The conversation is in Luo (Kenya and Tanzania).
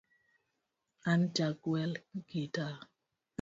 An ja gwel gita.